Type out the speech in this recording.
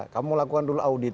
kamu lakukan dulu audit